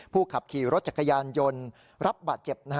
ขับขี่รถจักรยานยนต์รับบาดเจ็บ